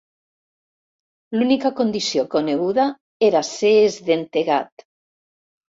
L'única condició coneguda era ser esdentegat.